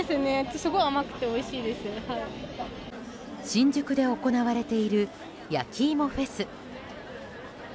新宿で行われているやきいもフェス。